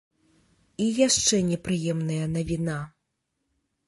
І яшчэ непрыемная навіна.